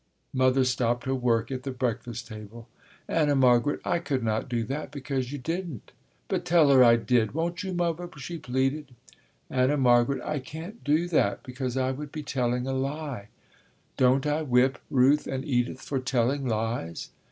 Mother stopped her work at the breakfast table. "Anna Margaret, I could not do that because you didn't." "But tell 'er I did, won't you, Muvver," she pleaded. "Anna Margaret, I can't do that because I would be telling a lie. Don't I whip Ruth and Edith for telling lies?"